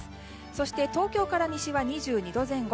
そして東京から西は２２度前後。